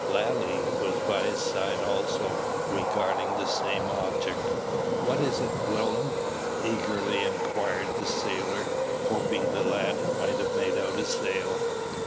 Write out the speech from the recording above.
Lalee was by his side also, regarding the same object. "What is it, Will'm?" eagerly inquired the sailor, hoping the lad might have made out a sail.